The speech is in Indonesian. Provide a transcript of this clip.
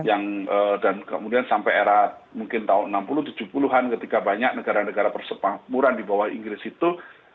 yang dan kemudian sampai era mungkin tahun enam puluh tujuh puluh an ketika banyak negara negara persepakmuran di bawah inggris itu